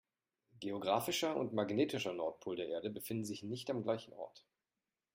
Geographischer und magnetischer Nordpol der Erde befinden sich nicht am gleichen Ort.